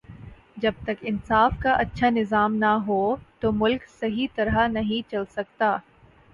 جب تک انصاف کا اچھا نظام نہ ہو تو ملک صحیح طرح نہیں چل سکتا